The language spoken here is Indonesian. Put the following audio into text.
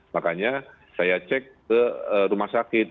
makanya saya cek ke rumah sakit